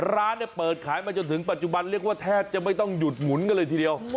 ร้านเนี่ยเปิดขายมาจนถึงปัจจุบันเรียกว่าแทบจะไม่ต้องหยุดหมุนกันเลยทีเดียว